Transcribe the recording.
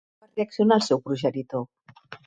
Com va reaccionar el seu progenitor?